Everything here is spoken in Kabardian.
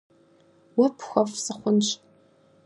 - Уэ пхуэфӏ сыхъунщ.